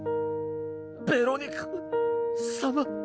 ベロニカ様。